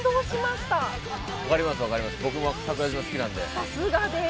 さすがです！